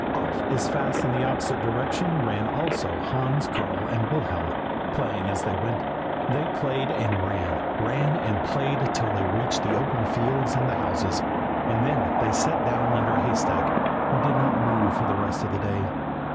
Off as fast in the opposite direction ran also Hans, Karl, and Wilhelm, playing as they went. They played and ran, ran and played till they reached the open fields and the houses; and then they sat down under a haystack and did not move for the rest of the day.